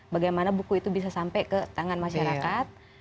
bagaimana buku itu bisa sampai ke tangan masyarakat